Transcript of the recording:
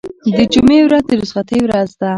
د جمعې ورځ د رخصتۍ ورځ ده.